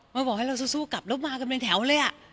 มาบอกให้เราสู้กลับแล้วมากันเป็นแถวเลย